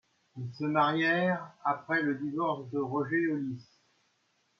Ils se marrièrent après le divorce de Roger Hollis.